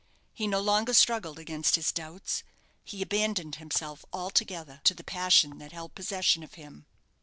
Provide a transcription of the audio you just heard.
He no longer struggled against his doubts he abandoned himself altogether to the passion that held possession of him.